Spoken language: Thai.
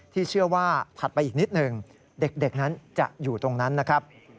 เชื่อว่าถัดไปอีกนิดหนึ่งเด็กนั้นจะอยู่ตรงนั้นนะครับ